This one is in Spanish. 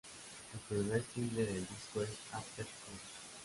El primer single del disco es "After Hours".